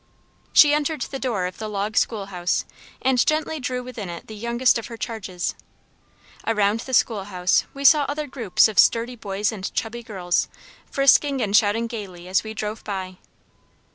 She entered the door of the log school house, and gently drew within it the youngest of her charges. Around the school house we saw other groups of sturdy boys and chubby girls, frisking and shouting gaily as we drove by.